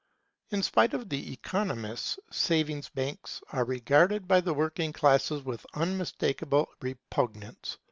In spite of the Economists, savings banks are regarded by the working classes with unmistakable repugnance.